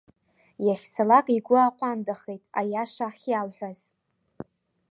Иахьцалак игәы ааҟәандахеит аиаша ахьиалҳәоз.